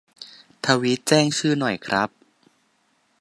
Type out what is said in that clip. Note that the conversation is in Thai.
ทวีตแจ้งชื่อหน่อยครับ